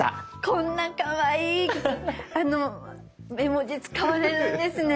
こんなかわいい絵文字使われるんですね。